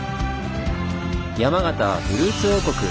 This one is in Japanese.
山形はフルーツ王国！